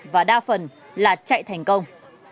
và đa phần là chạy thành công